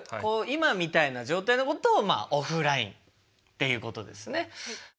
今みたいな状態のことをオフラインっていうことですね。